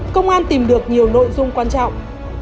công an tìm được nhiều nội dung quan trọng